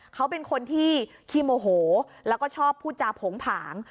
เขาเป็นคนที่ขี้โมโหแล้วก็ชอบพูดจาโผงผาง